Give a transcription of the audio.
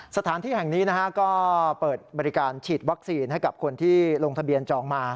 สถานที่แห่งนี้นะฮะก็เปิดบริการฉีดวัคซีนให้กับคนที่ลงทะเบียนจองมา